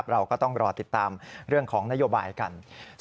เราก็ต้องรอติดตามเรื่องของนโยบายกัน